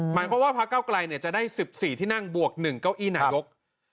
หมายความว่าพระเก้าไกลจะได้๑๔ที่นั่งบวก๑เก้าอี้นายก